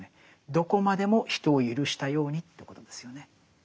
どこまでも人をゆるしたようにということですよね。